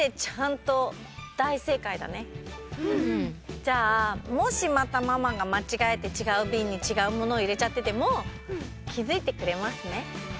じゃあもしまたママがまちがえてちがうビンにちがうものをいれちゃっててもきづいてくれますね。